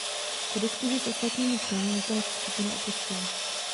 Po diskuzi s ostatními členy nakonec skupinu opustil.